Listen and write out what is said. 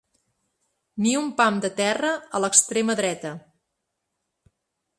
Ni un pam de terra a l'extrema dreta.